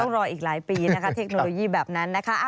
รออีกหลายปีนะคะเทคโนโลยีแบบนั้นนะคะ